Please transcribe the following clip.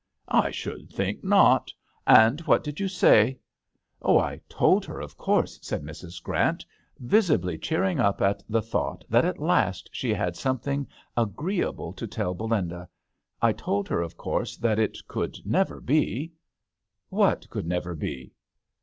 " I should think not. And what did you say ?"" Oh, I told her, of course," said Mrs. Grant, visibly cheering up at the thought that at last she had something agreeable to tell Belinda— "I told her, of course, that it could never be." THE h6tEL d'aNGLETERRE. 57 " What could never be